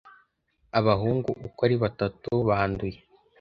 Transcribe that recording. Abahungu uko ari batatu banduye.